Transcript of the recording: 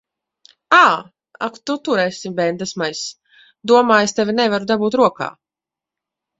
Ā! Ak tu tur esi, bendesmaiss! Domā, es tevi nevaru dabūt rokā.